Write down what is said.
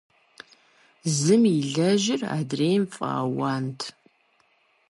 Зым илэжьыр - адрейм фӀэауант.